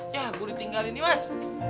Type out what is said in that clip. ya gua ditinggalin dimas